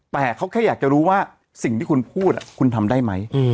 แต่เขาแค่อยากจะรู้ว่าสิ่งที่คุณพูดคุณทำได้ไหม